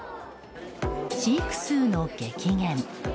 飼育数の激減。